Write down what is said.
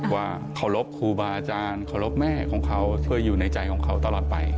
ว่าเคารพครูบาอาจารย์เคารพแม่ของเขาช่วยอยู่ในใจของเขาตลอดไป